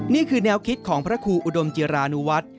นี่คือแนวคิดของพระครูอุดมจิรานุวัฒน์